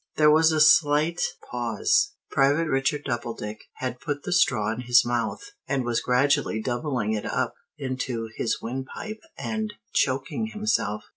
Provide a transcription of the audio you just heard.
There was a slight pause. Private Richard Doubledick had put the straw in his mouth, and was gradually doubling it up into his windpipe and choking himself.